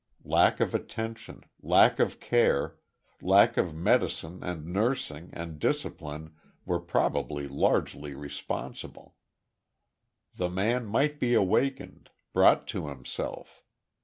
Lack of attention, lack of care, lack of medicine and nursing and discipline were probably largely responsible. The man might be awakened brought to himself.